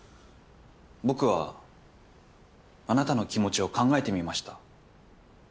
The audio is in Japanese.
僕はあなたの気持ちを考えてみました。